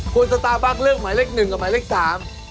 คุณสตาร์บัคเลือกหมายเลขหนึ่งกับหมายเลขสาม